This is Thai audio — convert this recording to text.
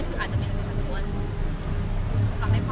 ไม่ใช่นี่คือบ้านของคนที่เคยดื่มอยู่หรือเปล่า